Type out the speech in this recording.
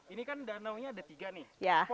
ini kan danaunya ada tiga nih